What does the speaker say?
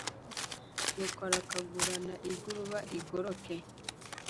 nyoko arakagurana igiruba igiroke